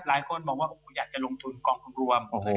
หลายคนบอกว่าอยากจะลงทุนกองทุนรวมนะครับ